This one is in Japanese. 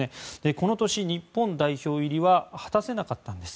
この年、日本代表入りは果たせなかったんです。